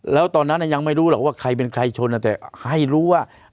แล้วตอนนั้นยังไม่รู้หรอกว่าใครเป็นใครชนแต่ให้รู้ว่า